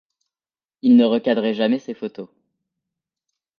Il ne recadrait jamais ses photos.